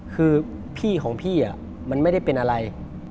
คือพี่ของพี่มันไม่ได้เป็นอะไร